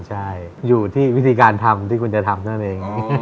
ใช่อยู่ที่วิธีการทำที่คุณจะทำนั่นเอง